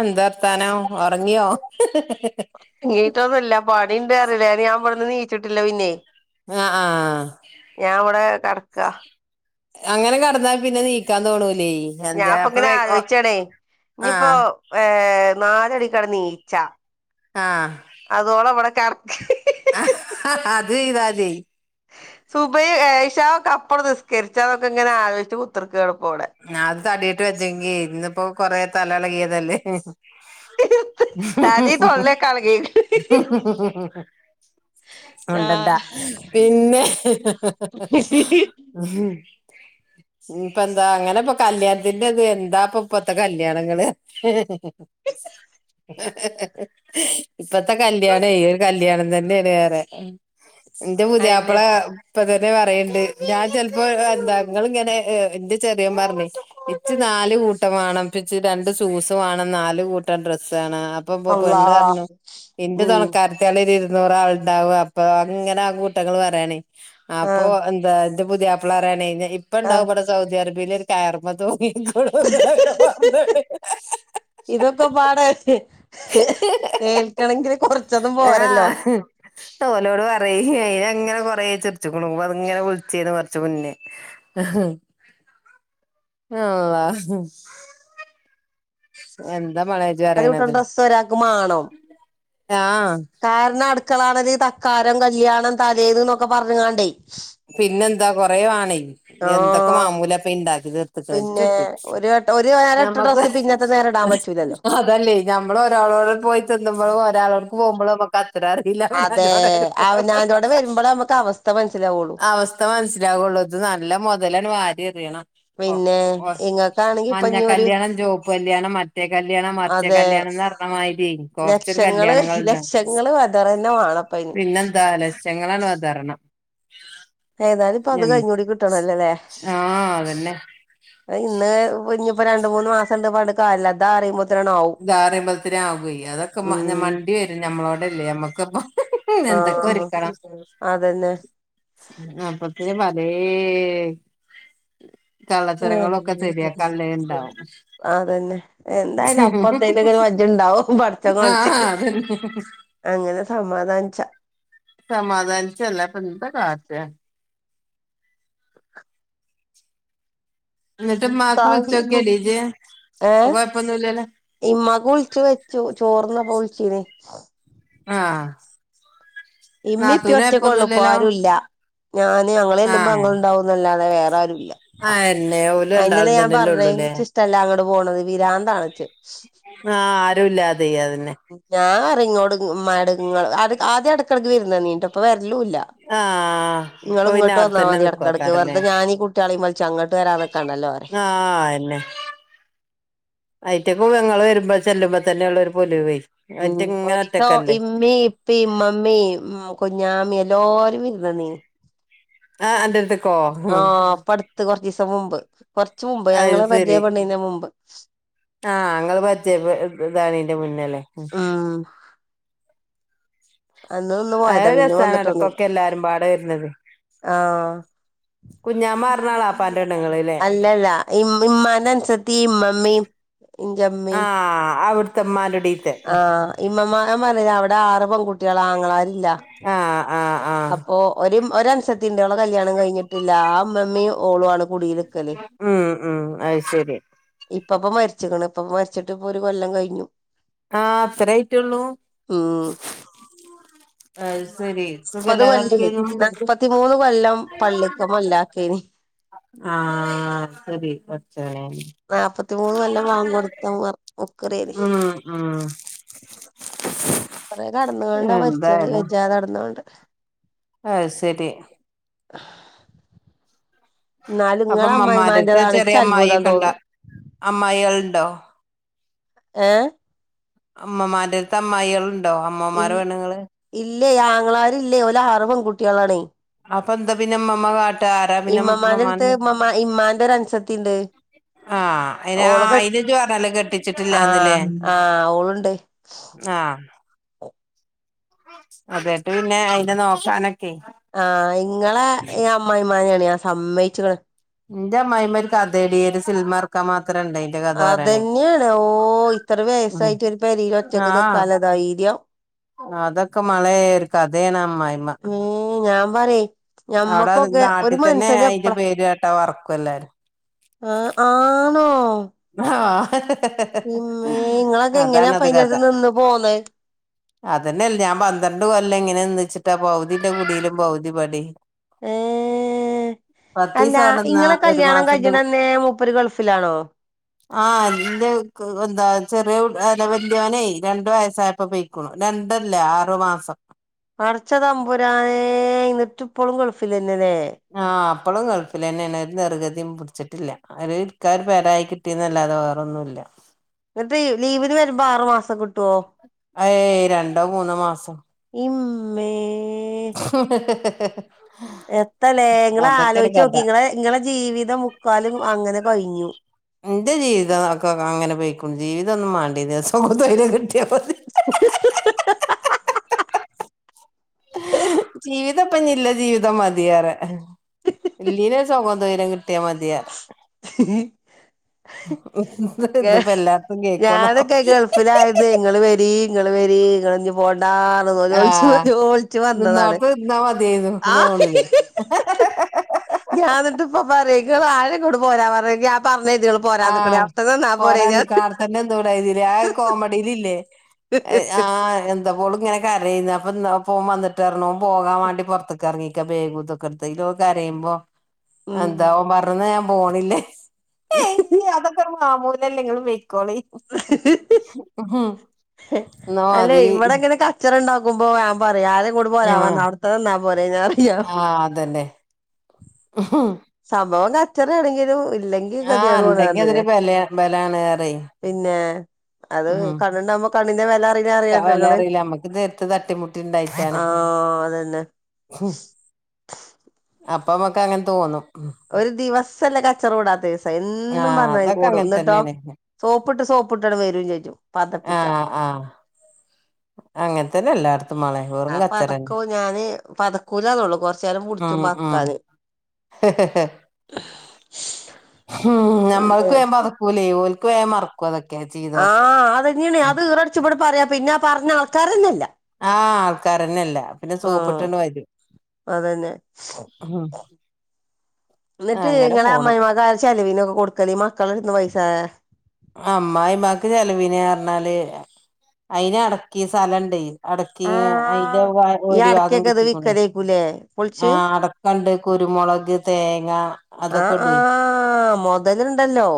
എന്ത വർത്താനം ഒറങ്ങിയോ എണീറ്റൊന്നുല്ല പണീണ്ട് പറഞ്ഞില്ലേ അതിന് ഞാൻ ഇവിടന്ന് എനീച്ചിട്ടില്ല പിന്നെ ആഹ് ആഹ് ഞാൻ ഇവിടെ കെടക്കാ അങ്ങനെ കെടന്നാ പിന്നെ എണീക്കാൻ തോണൂ ഞാപ്പൊ ഇങ്ങനെ ആലോചിച്ചേണേ ഇനിപ്പോ ആഹ് ഏഹ് ഏഹ് നാലാടി കെടന്നു [unintelligible] ആഹ് അതോളം ഇവിടെ കെടക്കേ അത് ചെയ്താതി സുബഹി ഏഷ ഒക്കെ അപ്പഴു നിസ്കരിച്ചു അതൊക്കെ ഇങ്ങനെ ആലോചിച്ച് കുത്തിറി ഞ അത് തടീട്ട് വെച്ചെങ്കി ഇന്നിപ്പോ കൊറെ തല എളകിയതല്ലേ തലി തൊള്ളയൊക്കെ അതോണ്ട് എന്താ എളകീക്ക്ണ് പിന്നെ ഇനീപ്പ എ [unintelligible] അങ്ങന ഇപ്പ കല്യാണത്തിന്റെ ഇത് എന്താപ്പ ഇപ്പത്തെ കല്യാണങ്ങള് ഇപ്പത്തെ കല്യാണേ ഈ ഒരു കല്യാണം തന്നേണ് വേറെ എന്റെ അയന്നെ പുതിയാപ്പള ഇപ്പൊ തന്നെ പറയണ്ട് ഞാൻ ചെലപ്പോ എന്താ ഇങ്ങള് ഇങ്ങനെ എന്റെ ചെറിയോൻ പറഞ്ഞ് ഇച്ചു നാല് കൂട്ടം വേണം ഇപ്പച്ചി രണ്ട് ഷൂസ് വേണം നാല് കൂട്ടം ഡ്രസ്സ് വേണം അപ്പ പൊ അള്ളാ പെണ്ണു പറഞ്ഞു ഇന്റെ ഉം [unintelligible] നൂറ് ആളുണ്ടാവ അപ്പൊ അങ്ങന കൂട്ടങ്ങള് പറയണേ അപ്പൊ ആഹ് എന്താ [unintelligible] പുതിയാപ്പള പറേണേ ഇപ്പ ഉണ്ടാവും ഇവിട സൗദി അറേബിയേല് ഒരു കയറും മേ തൂങ്ങി ആഹ് ഇതൊക്കെ പാടേ ഏൽക്കണെങ്കില് കൊറച്ചൊന്നും പോരല്ലോ ആഹ് ഓലോട് പറയ- എങ്ങനെ കൊറ ചെറിച്ച അങ്ങനെ വിളിച്ചന്ന് മറിച്ച മുന്നേ [unintelligible] ആഹ [unintelligible] എന്താ മനോജ്‌ അത് കിട്ടണ പറയണത് ഡ്രസ്സ് ഒരാൾക്ക് മാണം ആഹ് മക്കളാണത് തക്കാരം കല്യാണം തലേത് എന്നൊക്കെ പറഞ്ഞുകണ്ടേ പിന്നെന്താ കൊറെയുവാണേ എന്തൊക്കെ ആഹ് മാമൂല അപ്പ ഇണ്ടാക്കി തീർത്തിട്ട വറ്റി പിന്നെ [unintelligible] ഒരു വട്ട ഒരു നേരം ല്ല ഇട്ട നമ്മക്ക്- ഡ്രസ്സ് പിന്നത്തെ നേരം ഇടാൻ പറ്റൂലല്ലോ അതല്ലേ ഞമ്മള് ഒരാളോട് പോയി തിന്നുമ്പോളോ ഒരാളോക്ക് പോകുമ്പോളോ നമക്ക്- റില്ല്മനാൻ അതെ ചോട പോ അവനാന്റോടെ വരുമ്പോളേ നമുക്ക് അവസ്ഥ [unintelligible] മനസ്സിലാവുള്ളൂ അവസ്ഥ മനസ്സിലാവുള്ളു ഇത്‌ നല്ല മൊതലാണ് വാരി എറിയണം ഓഹ് പിന്നെ ഓ ഇങ്ങക്കാണെങ്കി ഇപ്പൊ മഞ്ഞ ഇനി ഒരു കല്യാണം ചൊമപ്പ് കല്യാണം മറ്റേ കല്യാണം മരിച്ച അതെ കല്യാണം എന്ന് പറഞ്ഞമാതിരി - കൊറച്ച് ഒരു ലക്ഷങ്ങള് കല്യാണങ്ങുണ്ട ലക്ഷങ്ങള് വെതറന്നെ വാണപ്പ അയിന് പിന്നെ എന്താ അല്ലേ ചെങ്ങളാൻ വതാരണം [unintelligible] ഏതാലും ഇപ്പ അത് കഴിഞ്ഞ കൂടി കിട്ടണല്ലേല്ലേ ആഹ് അതന്നെ ഇന്ന് ഇനിയിപ്പോ രണ്ട മൂന്ന് മാസം ഉണ്ട് പണ്ട് കല്ല [unintelligible] താ അറിയുമ്പോ ദാറയമ്പല [unintelligible] ത്തിന ആവുക അതൊക്കെ ഉം വണ്ടി വരും ഞമ്മളോടല്ലേ നമ്മക്കപ്പ എന്തൊക്കെ ആഹ് ഒരുക്കണം അതന്നെ അപ്പൊ- അതേ [unintelligible] ആ അതന്നെ എന്തായാലും അപ്പ- അതലൊക്കെ ഒരു വജ്ജ ഉണ്ടാവും പഠച്ച കു ആഹ് അതന്നെ അങ്ങനെ സമാധാനിച്ചാ [unintelligible] സമാധാനിച്ച അല്ല ഇപ്പ എന്താ കാറ്റ് എന്നിട്ട് ഉം ഉമ്മാക്ക് താവി വിളിച്ചോക്കിയടി ഇജ്ജ് [unintelligible] ഇപ്പൊ ഏഹ കൊഴപ്പൊന്നുല്ലല്ലോ ഇമ്മക്ക് വിളിച്ചു വെച്ചു ചോറ് തിന്നപ്പോ വിളിച്ചീനെ ആഹ് ഇമ്മയും ഉപ്പയും നാത്തൂന് ഒറ്റക്കെയുള്ളൂ ഇപ്പൊ കൊഴപ്പൊന്നുല്ലല്ലോ ആരുമില്ല ഞാന് ഞങ്ങെല്ലുമ്പോ ആഹ് ഞങ്ങള ഇണ്ടാവുന്നല്ലാതെ വേറെ ആരുല്ല. അയെന്നെ ഓല് അയിന്നല്ലെ രണ്ടാളും ഞാൻ തന്നെല്ലേ പറ്ഞ്ഞെ ഉള്ളൂല്ലേ എനിക്കിഷ്ടല്ല അങ്ങട് പോണത് പി രാന്താണിച്ച് ആഹ് ആരു ഇല്ലാതെ അതെന്നെ ഞാൻ ഇങ്ങോട് മടങ്ങൾ അത് ആദ്യം എടക്ക് എടയ്ക്ക് വിര്ന്ന് വന്നീനിട്ടൊ ഇപ്പം വര്ലൂല ആഹ് ഇങ്ങള് അപ്പൊ പിന്നെ ഇങ്ങോട്ട് വന്നാ അവിടെത്തന്നെ മതി. എടക്കെടക്ക് നിക്കുവാക്കാരല്ലേ വെറ്തെ ഞാനീ കുട്ട്യേളിം വൽച്ച് അങ്ങോട്ട് വരാൻ നിക്കണ്ടല്ലോ റിം ആഹ് അഹന്നെ അയിറ്റക്കു ഇങ്ങള് വരുമ്പ ചെല്ലുമ്പോ തന്നെയുള്ളൊരു പൊലിവ് ഉം ഒരിസോ ഇമ്മി ഇപ്പിമ്മമ്മി ഉം കുഞ്ഞാമി എല്ലോ വിര്ന്നനീ ആഹ് അന്റട്ത്ത്ക്ക് ആഹ് ഇപ്പട്ത്ത്. കൊറ്ച്ചീസം മുമ്പ് കൊറ്ച്ച് മുമ്പ് അത് ഞങ്ങളെ ശരി പരിചയപ്പെട്ണേന്റെമുമ്പ് ആഹ് ഇങ്ങള് പരിചയ പെ ഇതാവ് ണേന്റെ മുന്നെല്ലെ. ഉം അന്ന് നിന്ന് പോയതാ പിന്നെ രസാണ് വന്നിട്ടൊന്നൂല്ല. ഇടക്കൊക്കെ എല്ലാരും പാടെ വരുന്നത് ആഹ് കുഞ്ഞാമ്മ പറഞ്ഞ എളാപ്പാന്റെ പെണ്ണുങ്ങളല്ലേ അല്ലല്ല. ഇമ്മ ഇമ്മാനെ അൻസത്തിം ഇമ്മമ്മിം ഇൻ്റെ മ്മി ആഹ് അവിടുത്തെമ്മാന്റുടീത്തെ ആഹ് ഇമ്മമാരെമാ ടെ ആറ് പെൺകുട്ട്യേളാ ആങ്ങളാരില്ല. ആഹ് ആഹ് ആഹ് അപ്പോ ഒരു ഒരൻ ജത്തി ഇണ്ട്. ഓളെ കല്യാണം കഴിഞ്ഞിട്ട്ല്ല ആ ഇമ്മ മ്മിം ഓളു ആണ് കുടീല്ക്കലെ ഉം ഉം അത് ശരി ഇപ് ഇപ്പപ്പ മരിച്ച്ക്ക്ണ്. ഇപ്പ മരിച്ചിട്ട് ഇപ്പൊ ഒരു കൊല്ലം കഴിഞ്ഞു. ആ അത്രേ ആയിറ്റൊള്ളൂ. ഉം അഹ് ശരി. സുഖ ഇല്ലാതെ കെട്ക്കേന്നു. ഇകൊല്ലാം പള്ളിക്ക് മൊല്ലാക്കേനി. ആഹ് ശെരി പട്ച്ചോനെ. നാപത്തി മൂന്ന് കൊല്ലം വാങ്കു കൊട്ത്ത മർ മുക്രിയെനി ഉം ഉം കുറേ കെടന്നൊണ്ടാ മരിച്ചത് വെജാതെ കെടന്നുകൊണ്ട് അതു ശരി എന്നാലും അപ്പൊ ഇങ്ങളെ ഉമ്മമ്മാരക്ക് അമ്മായിമ്മാന്റെതാണ് ഇച്ച് ചെറിയ അത്ഭുതം അമ്മായിക്കെണ്ടാ തോന്നും അമ്മായികൾ ഉണ്ടോ? ഏഹ് അമ്മമാരടെടുത്ത് അമ്മായികൾ ഉണ്ടോ ഇ അമ്മമാരടെ പെണ്ണുങ്ങള് ഇല്ലേ ആങ്ങളാരില്ലേ ഓല് ആറ് പെൺകുട്ടികളാണേ. അപ്പ എന്താപ്പിന്നേ ഉമ്മമാ കാ ഇമ്മമാന്റെ അടുത്ത് ഉമാ ഇമ്മാന്റെ ഒരു അനുസത്തീണ്ട് ആ അയ്ന് അയിനിജ് പറഞ്ഞാലേ കെട്ടിച്ചിട്ടില്ലാന്നില്ലേ. ആഹ് ആഹ് ഓളുണ്ട് ആഹ് അതെട്ട് പിന്നെ അയിനെ നോക്കാനൊക്കെ ആഹ് ഇങ്ങളെ ഈ അമ്മായ്മാനാണ് ഞാൻ സമ്മയിച്ചേക്കണ് എന്റെ അമ്മായിമാര് ഒര്കഥേടി ഒരു സിൻമ ഇറക്കാൻ മാ അതന്നെയാണ് ഓ ഇത്ര ഉം വയസ്സായിട്ട് ഒരു പെരയില് ഒറ്റക്ക് ആഹ് നിർത്താനുള്ള ധൈര്യം. അതൊക്കെ ഇമ്മളേ ഒരു കഥയാണ് അമ്മായമ്മ പറയ് അവിടെ നാട്ടിൽ തന്നെ അയിന്റെ പേര് കേട്ടാ ഓർക്കു എല്ലാരും ആ ആണോ ആഹ് ഇമ്മേ ഇങ്ങളെക്കെ എങ്ങനെയാ അയിൻ്റെ അടുത്ത് നിന്ന് പോന്നേ അതന്നെയല്ല ഞാൻ പന്ത്രണ്ട് കൊല്ലം ഇങ്ങനെ നിന്നിച്ചിട്ടാ പകുതിന്റെ കുടിയിലും പകുതി ഇപടിം ഏഹ് അല്ല പത്തീസം അവിടെന്നാ ഇങ്ങളെ ഒരു കല്യാണം മാസന്റെ കഴിക്കണന്നെ മൂപ്പര് ഗൾഫിലാണോ. ആഹ് എ എന്താ ചെറിയ അല്ല വല്യവനെ രണ്ടു വയസ്സായപ്പോ പൊയ്ക്കണു രണ്ടല്ല ആറു മാസം. പടച്ച തമ്പുരാനേ എന്നിട്ടിപ്പളും ഗൾഫില് തന്നെയല്ലേ. ഇപ്പളും ഗൾഫിൽ തന്നെയാണ്. ഒരു നിർഗതിം പിടിച്ചിട്ടില്ല അയ്ല് ഇരിക്കാനൊരു പെരായി കിട്ടീന്നല്ലാതെ വേറൊന്നൂല്ല എന്നിട്ട് ലീവിന് വരുമ്പോ ആറ് മാസം കിട്ട് ഏഹ് രണ്ടോ മൂന്നോ മാസം. മ്മേ ഏ എത്താല്ലേ നിങ്ങള് അതൊക്കെയാണ് ആലോചിച്ചു കഥ നോക്കീ നിങ്ങളെ ജീവിതം മുക്കാലും അങ്ങനെ കഴിഞ്ഞു എന്റെ ജീവിതം ഒക്കെ അങ്ങനെ പോയിക്ക ജീവിതം ഒന്നും [unintelligible] ജീവിതപ്പൊ ഇനില്ല ജീവിതം മതിയേറെ ഇല്ലീന [unintelligible] ട്ടിയാ മതിയാ കേൾക്കുമെന്നാവും ഞാനൊക്കെ ഗൾഫിലായത് നിങ്ങള് വരീ ഇങ്ങള് വരീ ഇങ്ങള് ഇനി പോ എണ്ടാ തോ ആ [unintelligible] വന്നതാണ് നിന്നോർത്ത് നിന്നാ മതിയായിരുന്നു എന്ന് ആഹ് തോന്നില്ലേ ഞാ എന്നിട്ട് ഇപ്പ പറയും ഇങ്ങള് ആരേ കൊടു പോരാ പറ ആഹ് പോരാ ഞാൻ നിക്കണാ അടുത്തന്നെ [unintelligible] ആ കോമഡിൽ ഇല്ലേ ആഹ് എന്താപ്പോളും ഇങ്ങനെ കരയുന്ന അപ്പോൻ വന്നിട്ടറഞ്ഞു പോകാൻ വേണ്ടി പുറത്തക്ക് ഇറങ്ങിക്ക വേഗൂതൊക്കെ എടുത്തു കരയുമ്പോ എന്താ ഉം അവൻ പറഞ്ഞത് ഞാൻ പോണില്ലേ ഏ അതൊക്കെ മാമൂലല്ലെ ഇങ്ങള് വെ കോളി മ് എന്നാ മാതിരി മ്പോ വേം പറയും ആരെയും കൂടെ പോരാ ആഹ് വന്ന അവിടുത്തെന്നാ പോരേ പറയും ആഹ് അതന്നെ സംഭവം കച്ചറയാണെങ്കിലും അല്ലെങ്കി ആഹ് ഗതിയേട് പോണ ഇണ്ടെങ്കി പറഞ്ഞില്ലേ അതൊരു ബല ബലാണ് പറയും പിന്നെ അത് കണ്ണുണ്ടാവുമ്പോ കണ്ണിന്റെ വെല വല അറിയില്ല നമ്മക്ക് നേരത്ത തട്ടിമുട്ടിുണ്ടായിട്ടാണ് ആഹ് അതന്നെ ഫു അപ്പ നമക്ക് അങ്ങനെ തോന്നും..... ഒരു ദിവസല്ലേ കച്ചറ കൂടാത്ത ദിവസം എന്നും ആഹ് പറഞ്ഞ അതൊക്കെ കൂടും അങ്ങനെ എന്നന്ന്ട്ടോ.... തന്നെയാണ് സോപ്പിട്ട് സോപ്പിട്ടട വരും ചേച്ചു പതപ്പിച്ചാ...... ആ അങ്ങനെത്തന്നെ എല്ലാ ആ പതക്കോ ഞാന് പതക്കൂലാന്നള്ളൂ കുറച്ച നേരം ഉം കുടിച്ചും ഉം പതക്കാന്. ഉം പിന്നെ ഞമ്മൾക്ക് വേം വിയുമ്പോ അതൊക്കൂല മറക്കും ചെയ്തൊക്കെ ആഹ് അതന്നെയണ അത് വീറടിച്ച ഇവിടെ പറയാം പിന്നെ പറഞ്ഞ ആൾക്കാരന്നല്ല ആഹ് ആൾക്കാരന്നെല്ല പിന്നെ ആഹ് സോപ്പിട്ടണ്ട് വരും ഉം [unintelligible] എന്നിട്ട് അങ്ങനെ നിങ്ങളെ പോണു അമ്മായിമ്മാക്ക് ചലവിനൊക്കെ കൊടുക്കല് മക്കള ഇന്ന് പൈസ അ് അമായിമ്മാക്ക് ചെലവിനെ പറഞ്ഞാല് അയിന് അടക്കി സ്ഥലം ഇണ്ട...... അടക്കി അതിന്റെ ആഹ് ഈ ഊരിഭാഗം അടക്കൊക്കെ ഇത് കിട്ടിക്കണേ വിക്കലേക്കൂലേ ആ പൊളിച്ച് അടക്കണ്ട്.... മുളക് തേങ്ങ ആഹ് അതൊക്ക ഇടയി.... ആഹ് മൊതല്ണ്ടല്ലോ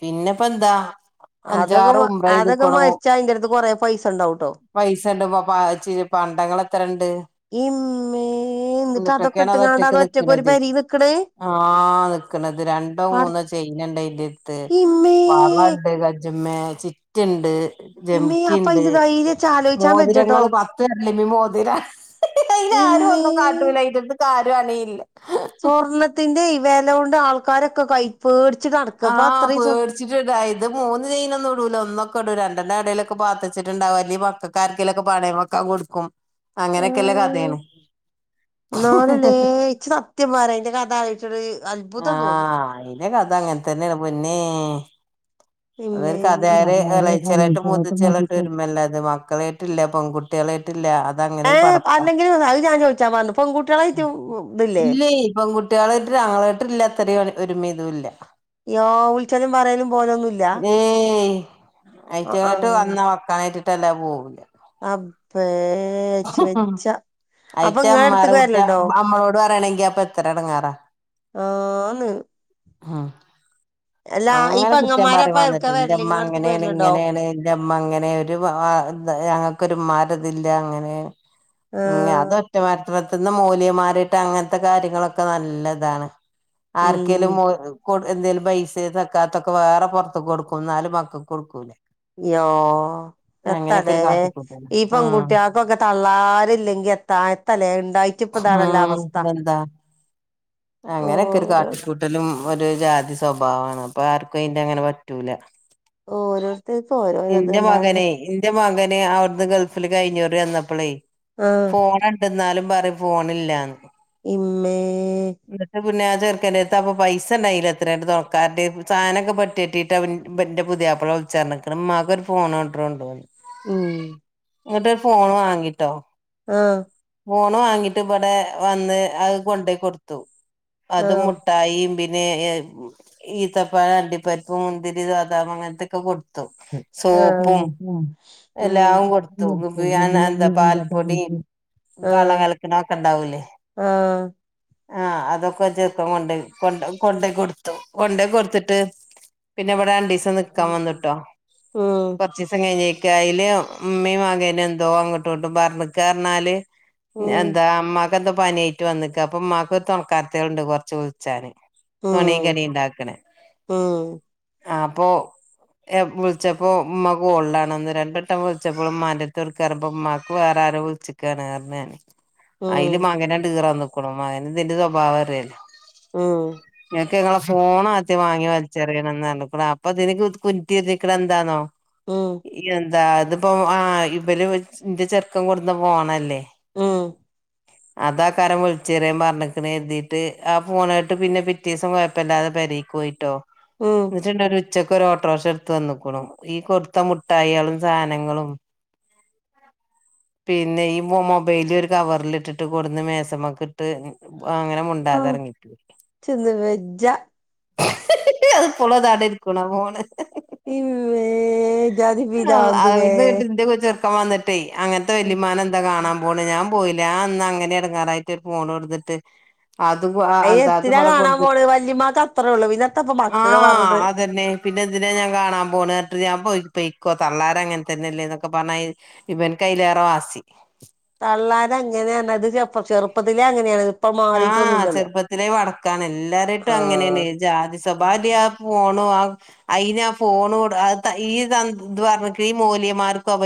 പിന്നെപ്പ എന്താ..... അതൊക്കെ അഞ്ചാറ് ഉംറ അതൊക്കെ ചെയ്തുക്കുണു മരിച്ചാ അതിന്റെ അടുത്ത് കൊറെേ പൈസ ഉണ്ടാവട്ടോ...... പൈസ ഉണ്ട് പ്പ ഇച്ചിരി പണ്ടങ്ങളൊക്കെ ഇമ്മേ എന്നിട്ട് അതൊക്കെ എന്നിട്ടൊക്കെയാണ് അത് ഇട്ട്ങ്ങാണ്ട് ഒറ്റക്ക് ഒരു നിക്കണത് പെരീ നിക്ക്ണ് ആ നിക്കണത് രണ്ടോ പട മൂന്നോ. പനണ്ട ഇന്റെത്ത് ഇമ്മേ വളണ്ട് കജ്മ്മ ചിറ്റുണ്ട്...... ഇമ്മേ അപ്പൊ ജിവ്ക്കിണ്ട് അയിന്റെ ധൈര്യച്ച് ആലോയിച്ചാൻ വെജ്ജട്ടോ മോതിരങ്ങള് പ..... മി മോതിര അയിന് ആരും ഇമ്മേ ഒന്നും കാട്ടില്ലായിറ്റ ആാരും അണയില്ല..... സ്വർണത്തിന്റെ ഈവേല കൊണ്ട് ആൾക്കാരൊക്കെ കൈപ്പേടി..... ആഹ് പേടിച്ചിട്ട് ഇടാ ഇത് മൂന്ന് ചെയ്യയിുന്നൊന്നും ടൂല ഒന്നൊക്കെ ഇടൂല ഒന്നൊക്കെ...... പന്റെ കടയിലൊക്കെ പാത്തിച്ചിട്ടുണ്ടാവുംല്ല മക്കാർക്കൊെ പണയ വെക്കാ കൊടുക്കും...... അങ്ങനൊക്കെയുള്ള കഥയാണ്..... എന്നളല്ലേ ഇച്ച സത്യം പറയ അതിൻ്റെ കഥ ആലോയ്മച്ച ഒരു അത്ഭുതം തോന്നുന്നു..... ഇതങ്ങന്തന്നേന് പൊന്നേ..... അതരു ഇമ്മേ കഥകാര് ഇളച്ചലായിട്ട് മുതച്ചലായിട്ട് ഒരുല്ല അത് മക്കളായിട്ടും ഇല്ല... ആ അതങ്ങനെ ഒരു ഏഹ് പടപ്പാ അല്ലെങ്കിലും അത് ഞാൻ ചോദിച്ചാൻ മറന്നു പെൺകുട്ടികളായിട്ട് ഇതില്ലേ കുട്ട്യാൾ കേട്ട് താൾ കേട്ടില്ല അത്രയും ഒരുമ ഇതും ഇല്ല യ്യോ ഉളിച്ചലും പറയലും പോലൊന്നുമ ഏയ് ഐറ്റമായിട്ട് വന്ന വക്കാനായിട്ടിട്ട്ല്ല പോവില്ല അപ്പേ അയിറ്റ ഇങ്ങളെ അമ്മാർ അടുത്ത്ക്ക് കുട്ടിയ വരലുണ്ടോ അമ്മളോട് പറയണെങ്കിൽ എ അപ്പ എത്രടങ്ങാറ ആഹ് ആാണ് ഉം അങ്ങനെ കുറ്റം പറി പെങ്ങന്മാരപ്പ വന്നിട്ട് എവ്ട്ക്കാ എന്റെ വരല് അമ്മ ഇങ്ങളെ അടുത്ത്ക്ക് അങ്ങനെയാണ് വരലുണ്ടോ ഇങ്ങനെയാണ് ൻ്റെ അങ്ങനെൊ ഒരു ഞങ്ങൾക്കൊരുമാരതില്ല അങ്ങനെ ഉം ആഹ് അതൊറ്റെ മാർ പന്ന് മൂലിയമാർട്ട് അങ്ങനത്തെ കാര്യങ്ങളൊക്കെ നല്ലതാണ് ആർക്കേലും ഉം കൊ എന്തേലും പൈസ തക്കത്തൊക്കെ വേറെ പുൊറത്ത് കൊടുക്കും എന്നാലും മക്കക്ക് കൊടുക്കൂലേ യോ എത്തല്ലേ ഒരു കാട്ടിക്കൂട്ടല ഈ ഉം പെൺകുട്ടികൾക്കൊക്കെ തള്ളാറില്ലെങ്കി എത്താ എത്തല്ലേ ഉണ്ടായിട്ട് ഇപ്പ ഇതാണല്ലോ അവസ്ഥ ഉതെന്താ അങ്ങനെയൊക്കെ ഒരു ഓരോ കാട്ടിക്കൂട്ടലും ഒരു ജാതി സ്വഭാവമാണ് അപ്പൊ ആർക്കും അയിന്റെ അങ്ങനെ പറ്റൂല ഓരോരുത്തർക്കും ഓരോരോ ഇത് എൻ്റെ അല്ലാതെ മകനെ എൻ്റെ മകനെ അവിടുന്ന് ഗൾഫ ഫല് കഴിഞ്ഞറി വന്നപ്പോളേ ആഹ് ഫോണ് ഉണ്ടെന്നാലും പറയും ഫോണില്ലാന്ന് [unintelligible] [unintelligible] ചെർക്കെന്റെടത് അപ്പൊ പൈസ എണ്ടായില്ല എത്രണ്ട് നോക്കണ്ട്‌ സാധനൊക്കെട്ടിട്ടിട്ട് ഇവൻ ഇവന്റെ പുതിയാപ്പള വ [unintelligible] മക ഒരു ഫോൺകൊൺഡ്രോണ്ടോണ്ട് ഉം ഇങ്ങിട്ടരു ഫോൺ വാങ്ങിട്ടോ ആ ഫോണ് വാങ്ങിട്ട് ഇവിടെ വന്ന് അത് കൊണ്ടോയി കൊടുത്തു അത് ആഹ് മുട്ടായി പി ന്നെ ഈത്തപ്പഴം അണ്ടിപ്പരിപ്പ് മുന്തിരി ബതാം അങ്ങനത്തൊക്കെ കൊടു ത്തു സോപ്പും ആഹ് ആഹ് എല്ലാം കൊടുത്തു ആഹ് [unintelligible] പാൽപ്പൊടിയും വള കലക്കണൊക്ക ഇണ്ടാവൂലേ ആ അതൊക്കെ ചെറക്കൻ കൊണ്ട കൊ കൊണ്ട കൊടുത്തു കൊണ്ടോയി കൊടുത്തിട്ട് പി ന്നെ ഇവിടെരണ്ടീസം നിക്കാൻ ഉം വന്നിട്ടോ കൊറച്ച് ദിവസം കഴിഞ്ഞ് [unintelligible] ഉമ്മയും മകനും എന്തോ അങ്ങോട്ടും ഇങ്ങട്ട് പറഞ്ഞക്കർന്നാല് ഉം ഉം എന്താ അമ്മാക്ക് എന്താ പനി ആയിട്ട് വന്നേക്ക അപ്പംഉമ്മാക്ക് തണുക്കാത്തണ്ട് കൊറച്ച് വിളിച്ചാന് പണി കടീം ഇണ്ടാക്കണേ ആ അപ്പൊ വിളിച്ചപ്പോ ഉമ്മ കോൾഡണന്ന് രണ്ടു വട്ടം വിളിച്ചപ്പോളും ഉമ്മാന്റെടുത്ത് കൊടുക്കാൻ പറയുമ്പ ഉമ്മാക്ക് വേറെ ആരോ വിളിച്ചേക്കാണ് പറഞ്ഞാന് ഉം അതില് ഉം മകനണ്ടീറാൻ നിക്കണു മകന് ഇതിന്റെ സ്വഭാവം അറിയാല്ല ആ ഇങ്ങളെ ഫോണ ആദ്യം വാങ്ങി വലിച്ചറിയണ എന്ന് പറഞ്ഞേക്കണു അപ്പൊനിക്ക് [unintelligible] എന്താന്നോ ഉം എന്താ ഇതിപ്പോ ആ ഇവല് ഇന്റെ ചെറുക്കൻ കൊണ്ടന്ന ഫോണല്ലേ ആ അതാ കാരം വിളിച്ചെറിയൻ പറഞ്ഞിക്കണ എഴുതിട്ട് ആ ഫോണായിട്ട് പിന്നെ പിറ്റേസം കൊഴപ്പില്ലാതെ പെ രേക്ക് പോയിട്ടോ ഉം എന്നിട്ടൊണ്ടൊരു ഒരു ഉച്ചക്ക ഓട്ടോറിക്ഷ എടുത്ത് വന്നേക്കണു ഈ കൊടുത്ത മു ട്ടായികളും സാനങ്ങളും പിന്നെ ഈ മൊബൈല് ഒരു കവറിൽ ഇട്ടിട്ട് കൊണ്ടന്ന് മേശമേ‌ക്കിട്ട് അങ്ങനെ മുണ്ടാതെ ഇറങ്ങി പോയി ജ്ജ അത് ഇപ്പളും അതവിടെ ഇരിക്കണു ഫോൺ ഇമ്മേ ഇജാതി ആ പിരാന്ത് ലേ അവിടുന്നിട്ടിന്റെ കൊച്ചർ ക്കൻ വന്നിട്ടേ അങ്ങനത്തെ വെല്ലിമ്മാനെ എന്താ കാണാൻ പോണെ ഞാൻ പോയില്ല അന്ന് അങ്ങനെ എടുങ്ങാറായിട്ട്, ഒരു ഫോൺ കൊടുത്തിട്ട് അത് അയിന് എന്താ എത്തിനാ അതിവിടെ കാണാൻ കൊടുന്നിട്ട്, പോണ് വല്ലിമ്മാക്ക് അത്രേ ഉള്ളൂ പിന്നെ എത്താപ്പ ആ മക്കള് പറഞ്ഞിട്ട് അതന്നെ പിന്നെഎന്തിനാ ഞാൻ കാണാൻ പോണ് എന്ന് പറഞ്ഞിട്ട് ഞാൻ പോയി പൊയ്ക്കോ തള്ളാര് അങ്ങനെ തന്നെല്ലേ എന്നൊക്കെ പറഞ്ഞ ഇവൻക്ക് അയ്ലേറെ വാസി. തള്ളാൻ അങ്ങനെയാണ്. അത് ചെപ് ചെറുപ്പത്തിലെ അങ്ങനെയാണ്. ഇപ്പ ആ മാറിയിട്ടൊന്നുല്ലല്ലോ ചെറുപ്പത്തിലേ വടക്കാണ്, എല്ലാരേട്ടും അങ്ങനെയാണ് ആഹ് ജാതി സ്വഭാവല്ലെ ആ ഫോണു, ആ അയിന് ആ ഫോൺട് ത് ഈ ഇത് പറഞ്ഞിക്ക ഈ മൊല്യമാർക്കും അവർ